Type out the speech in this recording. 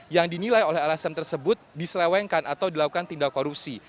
yang dinilai oleh lsm tersebut diselewengkan atau dilakukan tindak korupsi